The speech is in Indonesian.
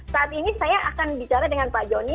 saat ini saya akan bicara dengan pak joni